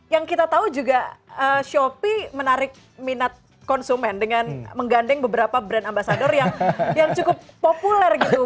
yang kita tahu juga shopee menarik minat konsumen dengan menggandeng beberapa brand ambasador yang cukup populer gitu